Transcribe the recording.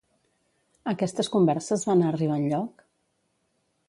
Aquestes converses van arribar enlloc?